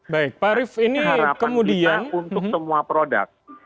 harapan kita untuk semua produk